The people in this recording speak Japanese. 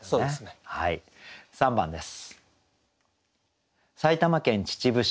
３番です。